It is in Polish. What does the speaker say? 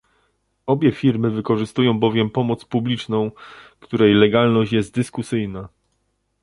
Obie firmy wykorzystują bowiem pomoc publiczną, której legalność jest dyskusyjna